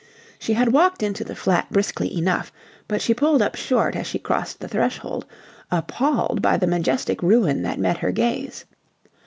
She had walked into the flat briskly enough, but she pulled up short as she crossed the threshold, appalled by the majestic ruin that met her gaze.